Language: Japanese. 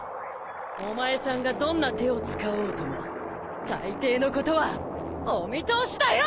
お前さんがどんな手を使おうともたいていのことはお見通しだよ！！